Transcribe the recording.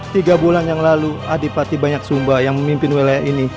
tiga bulan yang lalu adipati banyak sumba yang memimpin wilayah ini